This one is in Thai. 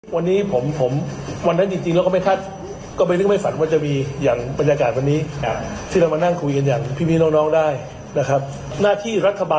ของการประสานงานระหว่างหน่วยงานรัฐการณ์ที่ขึ้นตรงอยู่กับผมเองนะครับ